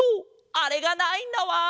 あれがないんだわん！